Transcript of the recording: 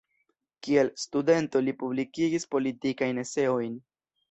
Kiel studento li publikigis politikajn eseojn.